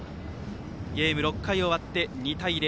ゲームは６回終わって２対０。